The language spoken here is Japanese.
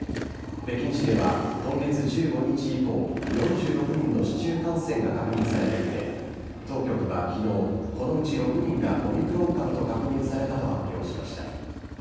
北京市では今月１５日以降、４６人の市中感染が確認されていて、当局はきのう、このうち６人がオミクロン株と確認されたと発表しました。